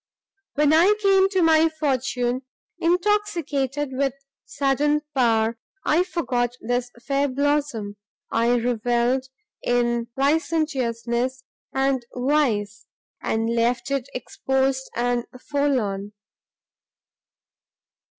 "When I came to my fortune, intoxicated with sudden power, I forgot this fair blossom, I revelled in licentiousness and vice, and left it exposed and forlorn.